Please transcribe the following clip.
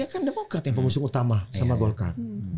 ya kan demokrat yang pengusung utama sama golkar